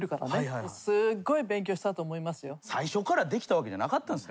すごい。最初からできたわけじゃなかったんですね